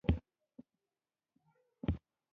بروکر ټي واشنګټن په يوه عجيبه چاپېريال کې پيدا شو.